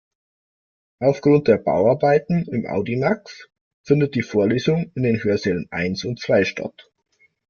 Aufgrund der Bauarbeiten im Audimax findet die Vorlesung in den Hörsälen eins und zwei statt.